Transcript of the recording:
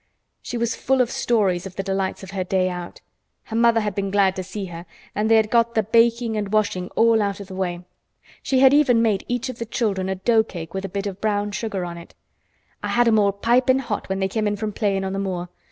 She was full of stories of the delights of her day out. Her mother had been glad to see her and they had got the baking and washing all out of the way. She had even made each of the children a doughcake with a bit of brown sugar in it. "I had 'em all pipin' hot when they came in from playin' on th' moor.